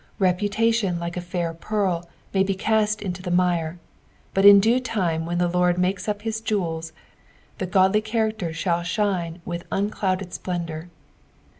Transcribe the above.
Repu tation like a fair pearl may be cast into the mire, but in due time when the Laid makes up his jewels, the godly character shall shine with juuctouded splendoar.